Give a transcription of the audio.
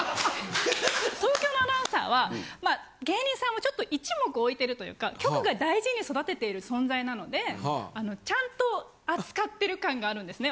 東京のアナウンサーは芸人さんもちょっと一目置いてるというか局が大事に育てている存在なのでちゃんと扱ってる感があるんですね